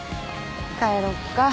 帰ろっか。